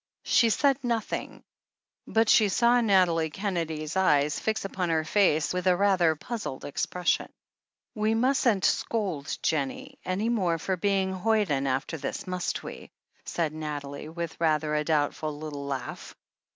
She said nothing, but she saw Nathalie Kennedy's eyes fixed upon her face with a rather puzzled expression. "We mustn't scold Jennie any more for being a hoyden, after this, must we ?" said Nathalie, with rather a doubtful little laugh.